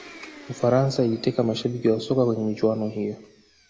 ufaransa iliteka mashabiki wa soka kwenye michuano hiyo